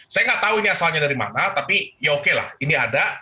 saya nggak tahu ini asalnya dari mana tapi ya oke lah ini ada